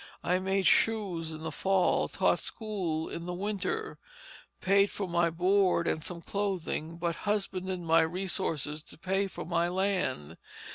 I made shoes in the Fall, taught school in the Winter, paid for my board and some clothing, but husbanded my resources to pay for my land.